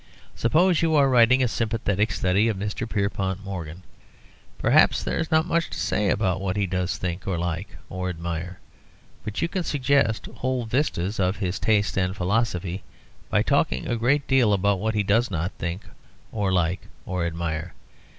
Suppose you are writing a sympathetic study of Mr. Pierpont Morgan. Perhaps there is not much to say about what he does think, or like, or admire; but you can suggest whole vistas of his taste and philosophy by talking a great deal about what he does not think, or like, or admire.